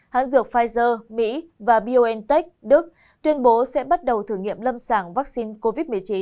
hãng dược pfizer mỹ và biontech đức tuyên bố sẽ bắt đầu thử nghiệm lâm sàng vaccine covid một mươi chín